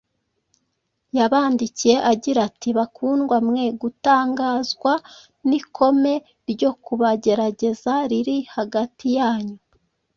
yabandikiye agira ati: “bakundwa, mwe gutangazwa n’ikome ryo kubagerageza riri hagati yanyu,